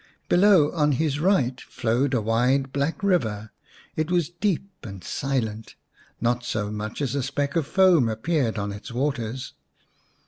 Below on his right flowed a wide, black river. It was deep and silent ; not so much as a speck of foam appeared on its waters.